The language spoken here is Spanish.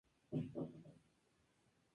Es hijo de Olga Castillo y Policarpo Berríos.